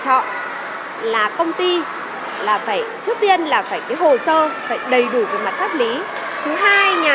chọn là công ty là phải trước tiên là phải cái hồ sơ phải đầy đủ về mặt pháp lý thứ hai nhà